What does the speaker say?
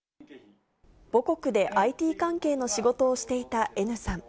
母国でＩＴ関係の仕事をしていたＮさん。